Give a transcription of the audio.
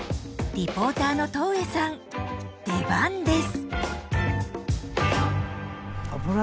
リポーターの戸上さん出番です。